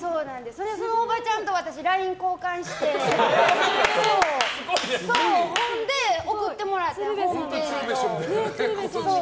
それでそのおばちゃんと私、ＬＩＮＥを交換してほんで、送ってもらってん。